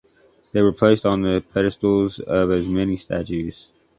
They were placed on the pedestals of as many statues.